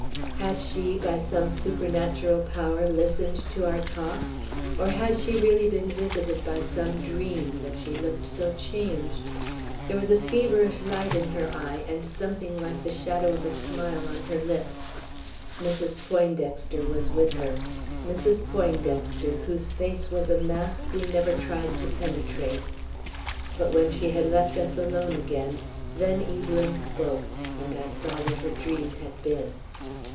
"Had she, by some supernatural power, listened to our talk, or had she really been visited by some dream, that she looked so changed? There was a feverish light in her eye, and something like the shadow of a smile on her lips. Mrs. Poindexter was with her; Mrs. Poindexter, whose face was a mask we never tried to penetrate. But when she had left us alone again, then Evelyn spoke, and I saw what her dream had been.